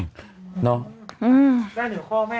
ได้หนึ่งข้าวไหม